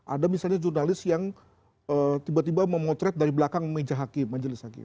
ada misalnya jurnalis yang tiba tiba memotret dari belakang meja hakim majelis hakim